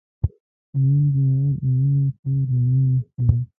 نن سهار اوله خور را نوې شوه.